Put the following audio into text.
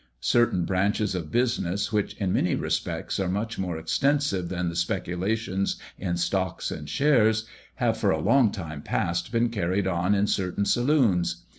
Certain branches of business, which in many respects are much more extensive than the speculations in stocks and shares, have for a long time past been carried on in certain saloons.